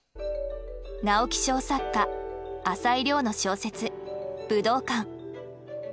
直木賞作家朝井リョウの小説「武道館」。